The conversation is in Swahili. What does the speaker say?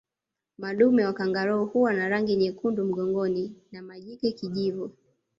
Madume wa kangaroo huwa na rangi nyekundu mgongoni na majike kijivu